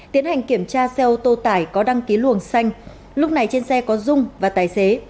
tiến hành kiểm tra xe ô tô tải có đăng ký luồng xanh lúc này trên xe có dung và tài xế